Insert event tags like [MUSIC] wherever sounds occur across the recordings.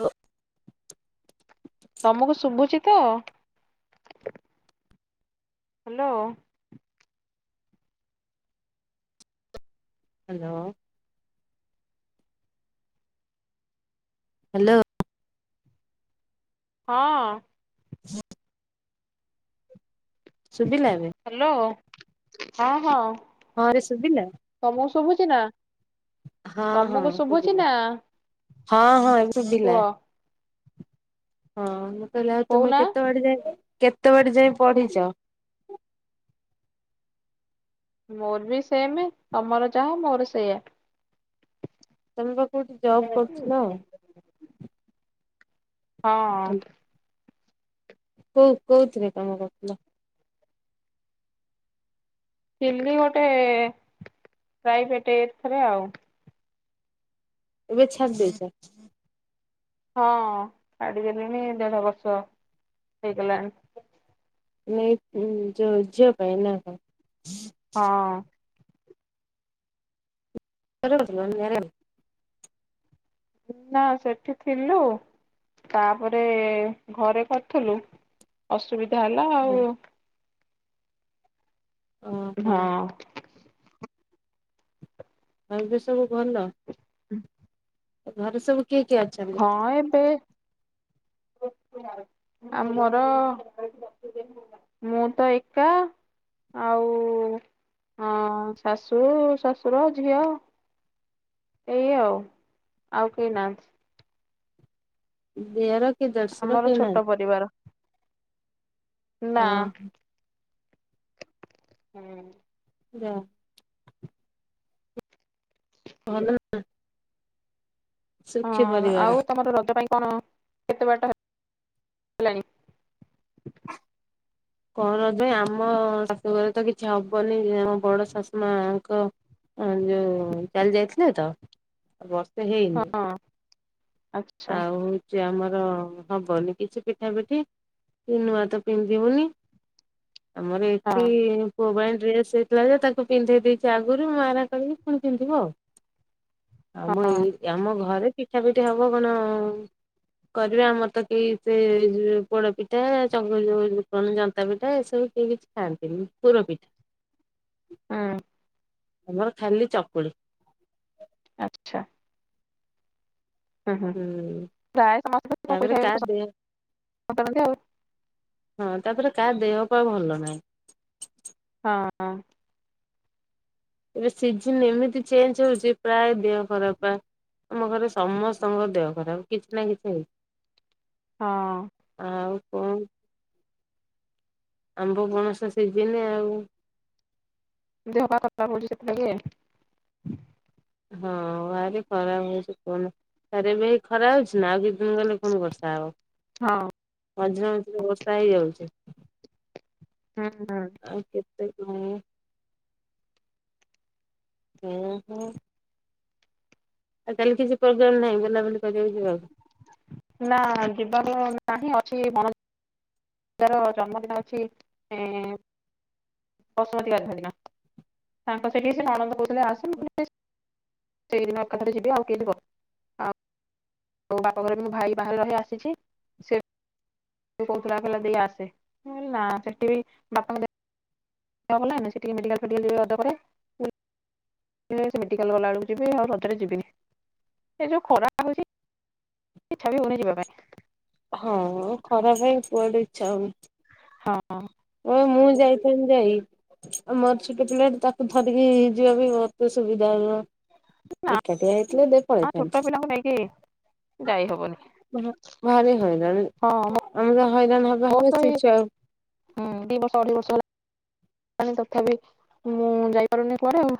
ଓ ତମକୁ ଶୁଭୁଚି ତ ହ୍ୟାଲୋ। ହ୍ୟାଲୋ। ହ୍ୟାଲୋ। ହଁ। ଉଁ ଶୁଭିଲା ଏବେ? ହ୍ୟାଲୋ ହଁ ହଁ। ହଁ ରେ ଶୁଭିଲା ତମକୁ ଶୁଭୁଛି ନା ହଁ ହଁ ତମକୁ ଶୁଭୁଛି ଶୁଭିଲା ନା? ହଁ ହଁ ଏମ୍ କୁହ ଚୁବିଲା। ହଁ ମୁଁ କହିଲେ ଆଉ ତୁମେ କହୁନା। କେତେ ବାଡ଼େ ଯାକେ କେତେ ବାଡ଼େ ଯାଇ ପଢ଼ିଛ? ମୋର ବି ସେମ ତମର ଯାହା ମୋର ସେଇଆା। ତମେ ବା କୋଠି ଜବ୍ କରୁଥିଲ? ହଁ। କଉ କହୁଥିରେ କାମ କରୁଥିଲ? ଥିଲି ଗୋଟେ ପ୍ରାଇଭେଟ୍ ଏଥେରେ ଆଉ। ଏବେ ଛାଡ଼ି ଦେଇଛ? ହଁ ଛାଡିଦେଲିଣି ଦେଢ଼ ବର୍ଷ ହେଇଗଲାଣି। ନେଇ ଯ ଝିଅ ପାଇଁ ନା କଣ? ହଁ। ଏରୋନର ମ୍ୟାରେଲ୍। ନା ସେଠି ଥିଲୁ ତାପରେ ଘରେ କରିଥିଲୁ ଅସୁବିଧା ହେଲା ଆଉ ଓହୋ ହଁ। ଆଉ ଏବେ ସବୁ ଭଲ? ହୁଁ। ଘରେ ସବୁ କିଏ କିଏ ଅଛନ୍ତି? ହଁ ଏବେ ଆମର ମୁଁ ତ ଏକା ଆଉ ଅ ଶାଶୁ ଶାଶୁର ଝିଅ ଏଇ ଆଉ ଆଉ କେହି ନାହାନ୍ତି। ଦିଅର? କି ଦେଢଶୁର ଆମର କେହି ଛୋଟ ନାହାନ୍ତି ପରିବାର ଓ ନା। ହୁଁ। ଯା। ଭଲରେ ଉ ହଁ ପରିବାର ଆଉ ତମର ରଜ ପାଇଁ କଣ କେତେ ବାରଟ ହେ କଣ ପାଇଁ ଆମ ଶାଶୁ ଘରେ ତ କିଛି ହବନି ଆମ ବଡ଼ ଶାଶୁ ମାଙ୍କ, ଏଁ ଯୋଉ ଚାଲି ଯାଇଥିଲେ ତ ଏ ବର୍ଷ, ତେ ହେଇନି ହଁ ଆଚ୍ଛା ଆଉ, ଯେ ଆମର ହବନି କିଛି ପିଠା ପିଠି କି ନୂଆ ତ ପିନ୍ଧିବୁନି, ଆମର ଏଠି, ହଁ ପୁଅ ପାଇଁ ଡ୍ରେସ୍ ହେଇଥିଲା ଯେ ତାକୁ ପିନ୍ଧେଇ ଦେଇଛି ଆଗରୁ ମୁ ମାରା କରିକି ପୁଣି ପିନ୍ଧିବ ଆଉ, ଆମ ହଁ ଏଇ ଆମ ଘରେ ପିଠା ପିଠି ହବ କଣ, କରିବେ ଆମର ତ କେହି ସେ ପୋଡପିଠା ଚକୁଳି [UNINTELLIGIBLE] ପିଠା ଫିଠା ଏସବୁ କେହି କିଛି ଖାଆନ୍ତିନି ପୁର ପିଠା, ହଁ, ଆମର ଖାଲି ଚକୁଳି, ଆଚ୍ଛା, ହୁଁ-ହୁଁ ହୁଁ। ତାପରେ କାହା ଦେହ [INAUDIBLE] ହଁ ତାପରେ କାହା ଦେହ ପାଆ ଭଲ ନାହିଁ, ହଁ-ହଁ, ଏବେ ସିଜନ ଏମିତି ଚେଞ୍ଜ ହଉଛି ପ୍ରାୟ ଦେହ ଖରାପ୍ ପା, ଆମ ଘରେ ସମସ୍ତଙ୍କ ଦେହ ଖରାପ କିଛି ନା କିଛି ହେଇ, ହଁ, ଆଉ କଁ ଆମ୍ବ ପଣସ ସିଜିନି ଆଉ, ଦେହ ପା ଖରାପ୍ ହଉଛି ସେଇଥିପାଇଁ ଲାଗି ଆଉ, ହଁ ଆରେ ଖରାପ୍ ହଉଛି କୁହନି ପାରିବି, ଖରା ହଉଛି ନା ଆଉ କିତେ ଦିନ ଗଲେ ପୁଣି ବର୍ଷା ହେବ, ହଁ ମଝିରେ-ମଝିରେ ବର୍ଷା ହେଇଯାଉଛି, ହୁଁ-ହୁଁ, ଆଉ କେତେ ଦିନି, ହୁଁ-ହୁଁ, ଆଉ କାଲି କିଛି ପ୍ରୋଗ୍ରାମ ନାହିଁ ବୁଲାବୁଲି କରିବାକୁ ଯିବାକୁ? ନା ଯିବାର ନାହିଁ ଅଛି [INAUDIBLE] ତାର ଜନ୍ମ ଦିନ ଅଛି ଏଁ, [INAUDIBLE] ତାଙ୍କ ର ସେଠି ନନଦ କହୁଛନ୍ତି ଆସ ମୁଁ କହିଲି ସେ ସେଇ ଦିନ କାଲି ଯିବି ଆଉ କିଏ ଥିବ, ଆଉ ବାପା ଘରେ ବି ମୁଁ ଭାଇ ବାହାଘରରେ ଆସିଛି, ସେ କହୁଥିଲା କହିଲା ଦେଇ ଆସେ ମୁଁ କହିଲି ନା ସେଠିକି ବାପାଙ୍କ ଦେ ଦେହ ଭଲ ଲାଗେନା ସେଠିକି ମେଡିକାଲ୍ ମେଡିକାଲ୍ [INAUDIBLE] ସେ-ସେ ମେଡିକାଲ୍ ଗଲା ବେଳକୁ ଯିବି ଆଉ ରଜରେ ଯିବିନି ଏ ଯୋଉ ଖରା, ଟିକେ ଇଚ୍ଛା ବି ହଉନି ଯିବାପାଇଁ, ହଁ ମୁଁ ଖରା ପାଇଁ କୁଆଡ଼େ ଇଚ୍ଛା ହଉନି, ହଁ ଅଁ, ଅଁ ମୁଁ ଯାଇଥିଲି ଯାଇଁ, ଆଉ ମୋର ଛୋଟ ପିଲାଟି ତାକୁ ଧରିକି ଯିବା ବି ବହୁତ୍ ସୁବିଧା ହବ, ନା ଏକାଟିଆ ହେଇଥିଲେ ଦେ ପଳେଇ ଛୋଟ ଥାଆନ୍ତି। ପିଲାଙ୍କୁ ନେଇକି ଯାଇ ହବନି ହଁ [UNINTELLIGIBLE] ଆମେତ ହଇରାଣ ହବା-ହବା ସେଇ ଛୁଆ କୁ, ହୁଁ ଦି ବର୍ଷ ଅଢେଇ ବର୍ଷ ହେଲା ତଥାପି-ତଥାପି ମୁଁ ଯାଇପାରୁନି କୁଆଡ଼େ ଆଉ,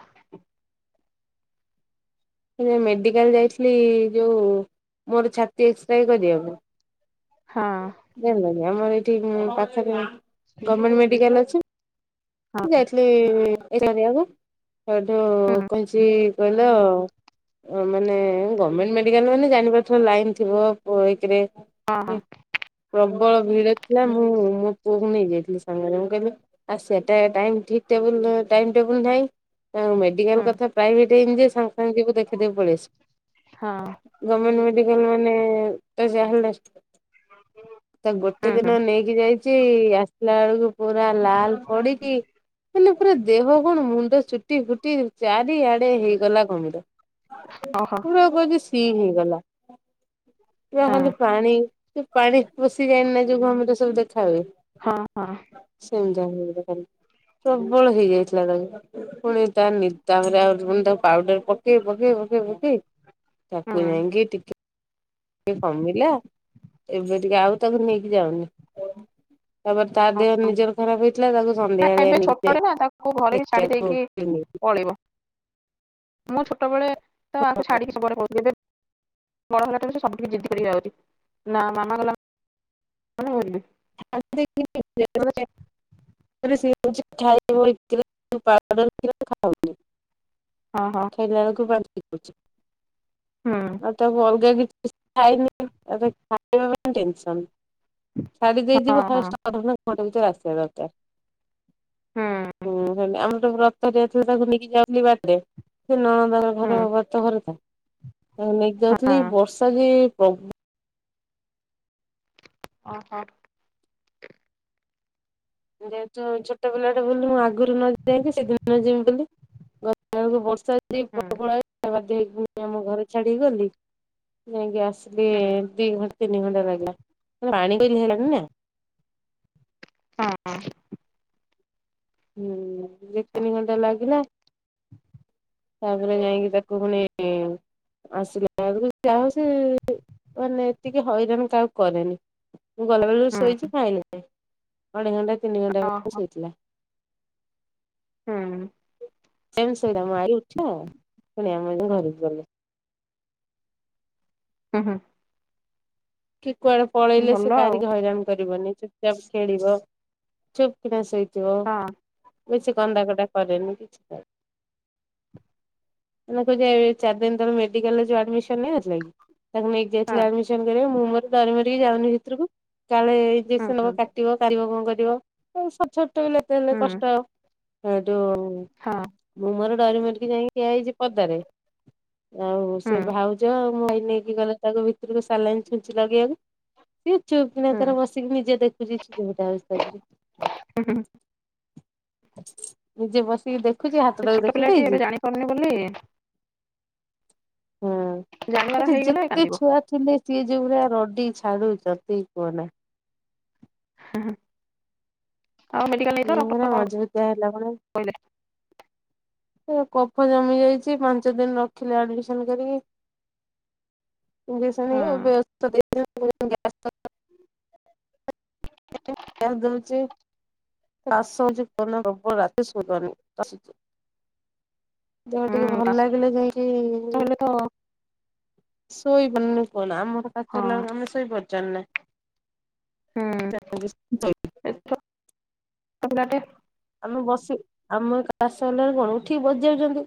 ହେଲେ ମେଡ଼ିକାଲ ଯାଇଥିଲି ଯୋଉ ମୋର ଛାତି ଏକ୍ସରେ କରିବାକୁ। ହଁ। ଜାଣିଲକି ଆମର ଏଇଠି ପାଖରେ ଗମେଣ୍ଟ ମେଡିକାଲ ଅଛି। ହଁ ମୁଁ ଯାଇଥିଲି [UNINTELLIGIBLE] କରିବାକୁ ସେଠୁ ହୁଁ କହିଛି କହିଲା ମାନେ ଗମେଣ୍ଟ ମେଡିକାଲ ମାନେ ଜାଣିପାରୁଥିବ ଲାଇନ୍ ଥିବ ଏକ୍ ରେ। ହଁ ହଁ। ପ୍ରବଳ ଭିଡ ଥିଲା ମୁଁ ମୋ ପୁଅ କୁ ନେଇଯାଇଥିଲି ସାଙ୍ଗରେ ମୁଁ କହିଲି ଆସେ। ଟାଇ ଟାଇମ୍ ଠିକ୍ ଟେବୁଲ୍ ଟାଇମ୍ ଟେବୁଲ୍ ନାହିଁ। ଆଉ ହୁଁ ମେଡ଼ିକାଲ୍ କଥା ପ୍ରାଇଭେଟ୍ ହେଇ ଯେ ସାଙ୍ଗେ ଯିବୁ ଦେଖେଇଦବୁ ହଁ ପଳେଇଆସିବୁ। ଗମେଣ୍ଟ ମେଡିକାଲ ମାନେ ତ ଯାହା ହେଲେ [UNINTELLIGIBLE] ତ ଗୋଟେ ହୁଁ ହୁଁ ଦିନ ନେଇକି ଯାଇଛି ଆସିଲା ବେଳକୁ ପୁରା ଲାଲ ପଡିକି ହେଲେ ପୁରା ଦେହ କଣ ମୁଣ୍ଡ ଚୁଟି ଫୁଟି ଚାରିଆଡେ ହେଇଗଲା ଘମିର ପ ଓହୋ [UNINTELLIGIBLE] ସି ହେଇଗଲା ପୁରା ହଁ ଖାଲି ପାଣି ସେ ପାଣି ପଶିଯାଇନି ନା ଯୋଉ ଘମିର ସବୁ ଦେଖା ହୁଏ। ହଁ ହଁ। ସେମିତି [UNINTELLIGIBLE] ପ୍ରବଳ ହେଇଯାଇଥିଲା ତାକୁ। ପୁଣି ତା ନି ତାପରେ ଆଉ ପୁଣି ତା ପାଉଡର ପକେଇ ପକେଇ ପକେଇ ତାକୁ ହୁଁ ଯାଇକି ଟିକେ ଟିକେ କମିଲା। ଏବେ ଟିକେ ଆଉ ତାକୁ ନେଇକି ଯାଉନି ତାପରେ ତା ଦେହ ଓହୋ ନିଜର ଖରାପ ହେଇଥିଲା ତାକୁ ନା ଏବେ ସନ୍ଧ୍ୟାରେ ଛୋଟଟେ ନେଇକି ଯାଇ [UNINTELLIGIBLE] ପଳିବ। ମୁଁ ଛୋଟବେଳେ ତ ଆକୁ ଛାଡିିକି ସବୁ ଆଡ଼େ ପଳଉଥିଲି। ଏବେ ବଡ଼ ହେଲାଠାରୁ ସେ ସବୁ ଠିକି ଜିଦି କରିକି ଯାଉଛି ନା ମାମା ଗଲା ଗଲେ ମୁଁ ଯିବି। [UNINTELLIGIBLE] [UNINTELLIGIBLE] ହଁ ହଁ। ଖାଇଲାବେଳକୁ ବାରଟା ବାଜୁଛି। ହୁଁ। ଆଉ ତାକୁ ଅଲଗା କିଛି ଖାଇନି ତା ପାଇଁ ଖାଇବା ପାଇଁ ଟେନସନ୍। ଛାଡି ଦେଇଯିବ ହଁ [UNINTELLIGIBLE] ହଁ ଆସିବା ଦରକାର। ହୁଁ ହୁଁ ସେ ଆମର ତ [UNINTELLIGIBLE] ତାକୁ ନେଇକି ଯାଉଥିଲି ବାଟରେ। ସେ ନଣନ୍ଦଙ୍କର ହୁଁ ଘର ବ୍ରତ ଘରକୁ ନେଇକି ହଁ ଯାଉଥିଲି ବର୍ଷା ଯେ ପ୍ରବ ଓହୋ। ଯେହେତୁ ଛୋଟ ପିଲାଟେ ବୁଲି ମୁଁ ଆଗରୁ ନ ଯାଇକି ସେଦିନ ଯିମି ବୋଲି [UNINTELLIGIBLE] [UNINTELLIGIBLE] ମୁଁ ହୁଁ ଆମ ଘରେ ଛାଡ଼ିକି ଗଲି ଯାଇକି ଆସିଲି ହୁଁ ଦି ଘଣ୍ଟା ତିନି ଘଣ୍ଟା ଲାଗିଲା ପାଣି ବି ହେଲାଣି ନା। ହଁ ହଁ। ହୁଁ ଦି ତିନି ଘଣ୍ଟା ଲାଗିଲା। ତାପରେ ଯାଇକି ତାକୁ ପୁଣି ଆସିଲାବେଳକୁ ଯାହା ହେଉ ସେ ମାନେ ଏତିକି ହଇରାଣ କାହାକୁ କରେନି। ମୁଁ ଗଲାବେଳରୁ ହୁଁ ଶୋଇଛି ଖାଇନି ଅଢେଇ ଘଣ୍ଟା ତିନି ଘଣ୍ଟା ବେଳେ ଓହୋ ଶୋଇଥିଲା। ହୁଁ। ସେମି ସହିତ ଆମ ଆଇ ଉଠା ପୁଣି ଆମେ ଯ ଘରକୁ ଗଲେ [UNINTELLIGIBLE] ହୁଁ। କି କୁଆଡେ ପଳେଇଲେ ସେ ଭଲ କାହାରିକି ହଇରାଣ କରିବନି ଚୁପଚାପ ଖେଳିବ। ଚୁପ୍ କିନା ଶୋଇଥିବ ଆଉ ବେଶୀ କନ୍ଦାକଟା କରେନି କିଛି କ ମ କ [UNINTELLIGIBLE] ଚାରି ଦିନ ତଳେ ମେଡିକାଲରେ ଆଡମିସନ ହେଇଚି ନେଇଥିଲା କି ତାକୁ ନେଇକି ହଁ ଯାଇଥିଲା ଆଡ ମୁଁ ମୋର ଡରି ମରିକି ଯାଉନି ଭିତକୁ କାଳେ ହଁ ଇଞ୍ଜେକ୍ସନ୍ ହୁଁ ନବାକୁ କାଟିବ। ପାରିବ କଣ କରିବ ଛଟ ଛୋଟତେ [UNINTELLIGIBLE] ହେଲେ ହୁଁ କଷ୍ଟ ହେଠୁ ହଁ। ମୁଁ ମୋର ଡରି ମରିକି ଯାଇଁକି ଠିଆ ହେଇଛି ପଦାରେ ଆଉ ସେ ହୁଁ ଭାଉ ଉଜ ଭାଇ ତାକୁ ନେଇକି ଗଲେ ତାକୁ ଭିତରକୁ ସାଲାଇନ୍ ଛୁଞ୍ଚି ଲଗେଇବାକୁ। ସିଏ ଚୁପ ନା ହୁଁ ତାର ବସିକି ନିଜେ ଦେଖୁଛିମଟାରେ। [UNINTELLIGIBLE] ହୁଁ। ନିଜେ ବସିକି ଦେଖୁଛି ହାତଟାକୁ ଦେଖେଇ ଦେଇଛି। କରନି ବୋଲି। [UNINTELLIGIBLE] ହଁ ଜାଣିବାର ହୋଉଛି ହେଇଗଲେ ଯେତେ କାନ୍ଦିବ ଛୁଆ ଥିଲେ ସିଏ ଯୋଉ ଭଳିଆ ରଡି ଛାଡୁଛନ୍ତି କୁହନା। ଆଉ ମେଡିକାଲ୍ ନେଇଥିଲ ଇଏ ପୁରା ଡାକ୍ଟର କଣ ମଜବୁତିଆ ହେଲା କହିଲା? କହିଲା କଫ ଜମି ଯାଇଛି ପାଞ୍ଚ ଦିନ ରଖିଲେ ଆଡମିସନ କରିକି। ହଁ ବ୍ୟସ୍। [UNINTELLIGIBLE] କେ ଦଲଚ। [INAUDIBLE] ଚାଷ ହଉଛି ପୁନ ଗବ ରାତି ଶଧନି ଆସୁ। [UNINTELLIGIBLE] ଦେହ ଟିକେ ହୁଁ ଭଲ କାଶ ଲାଗିଲେ ଯାଇଁକି ହେଲେ ତ ଶୋଇ ପାରୁନି କୁହନା ଆମର କାଶ ହଁ ହେଲା ବେଳେ ଆମେ ଶୋଇପାରୁଚନ୍ତି ନା? ଚା। [INAUDIBLE] ଏଟ। [INAUDIBLE] ଆମେ ବସି ଆମ କାଶ ହେଲା କଣ ଉଠିକି ବସିଜାଉଛନ୍ତି।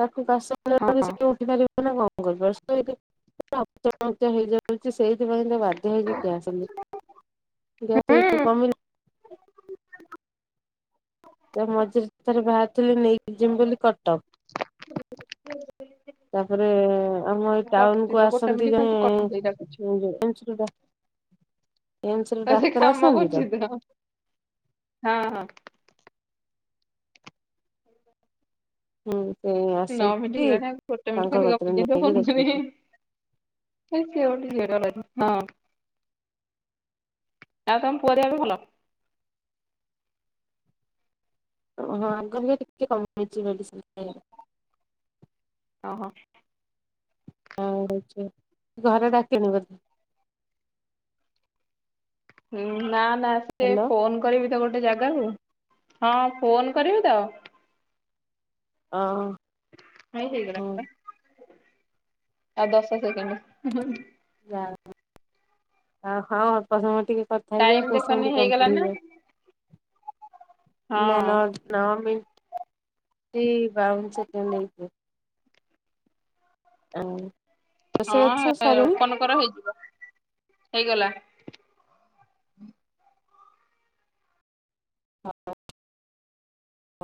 ତାକୁ କାଶ ହେଲା ହଁ ବେଳେ ସେ ଉଠି ପାରିବ ନା କଣ କରିପାରିବ ସେ ଶୋଇବ। ହେଇଯାଉଛି ସେଇଥିପାଇଁ ତ ବା। [UNINTELLIGIBLE] ମୁଁ କହିଲି ଗ୍ୟାସ୍ ନେ ଗ୍ୟାସ୍ କୋଉ କମିଲା। ହ। [INAUDIBLE] ତ ମଝିରେ ଥରେ ବାହାରିଥିଲି ନେଇକି ଯିମି ବୋଲି କ ହଁ। [INAUDIBLE] ତାପରେ ଆମ ଏଇ କଟୁଛି ଟାଉନକୁୁ ତ ଗୋଟେ ଆସନ୍ତି ମିନିଟ୍ ଖାଲି ଜଣେ ତୁ କଟ ଦେଇ ଡାକୁଛି ଭୁବେନେଶ୍ଵର ରୁ। ବସିକି ଡାକ୍ତର କାମ ଆସନ୍ତି କରୁଛି ତ ହେଇଥିର ହଁ। ହୁଁ ସେଆ। ନଅ ମିନିଟ୍ ହେଇଗଲାଣି ଗୋଟେ ମିନିଟ୍ ଖାଲି ଗପିଦିଏ ନେଇକି ବନ୍ଦ ଦେଖେଇଥିଲି। କରିମି। ସେଇ ସେଇଟ ହଁ। [UNINTELLIGIBLE] ଆଉ ତମ ପୁଅ ହେରିକା କଣ ହଁ ଆଙ୍କର ବି ଟିକେ କମିଯାଇଛି ମେଡିସିନ୍। ଓ ହୋ। ହଁ ହେଇଛି। ଘରେ ଡାକିଲେଣି? ନା ନା ସେ ହ୍ୟାଲୋ ଫୋନ୍ କରିବି ତ ଗୋଟେ ଜାଗାକୁ ହଁ ଫୋନ୍ କରିବି ତ। ହଁ। ଟାଇମ୍ ହେଇଗଲାଣି ଆଉ ଦଶ ସେକଣ୍ଡ। ଯାହା ହେଉ, ହଁ। ଅଳ୍ପ ସମୟ ଟିକେ କଥା ହେଇଯାଉ, ଟାଇମ ଦଶ ଦେଖନି ମିନିଟ୍ ହେଇଗଲା କଂପ୍ଲିଟ୍ ନା ହେଇଯାଉ। ନା ହଁ ନ ନଅ ମିିନିଟ୍ [UNINTELLIGIBLE] ହ। ହଁ, ଓପନ କର। ହେଇଯିବ, ହେଇଗଲା।